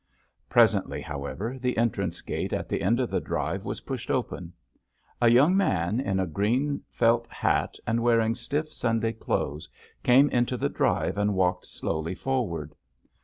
Presently, however, the entrance gate at the end of the drive was pushed open. A young man in a green felt hat and wearing stiff Sunday clothes came into the drive and walked slowly forward.